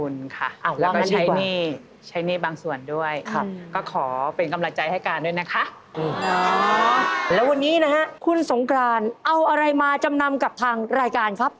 แล้ววันนี้นะฮะคุณสงกรานเอาอะไรมาจำนำกับทางรายการครับ